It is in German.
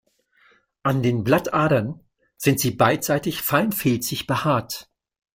An den Blattadern sind sie beidseitig fein filzig behaart.